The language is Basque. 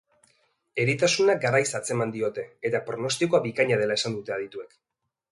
Eritasuna garaiz atzeman diote eta pronostikoa bikaina dela esan dute adituek.